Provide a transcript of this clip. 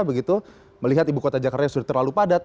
begitu melihat ibu kota jakarta sudah terlalu padat